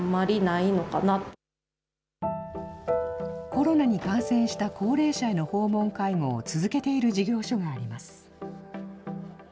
コロナに感染した高齢者への訪問介護を続けている事業所があります。